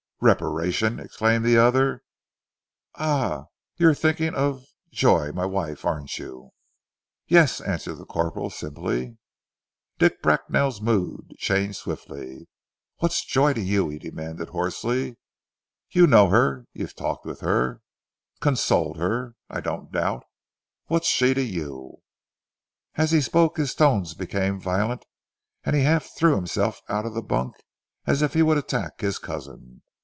"Reparation!" exclaimed the other. "Ah! you are thinking of Joy my wife, aren't you?" "Yes," answered the corporal simply. Dick Bracknell's mood changed swiftly. "What's Joy to you?" he demanded hoarsely. "You know her, you've talked with her, consoled her, I don't doubt. What's she to you?" As he spoke his tones became violent, and he half threw himself out of the bunk, as if he would attack his cousin.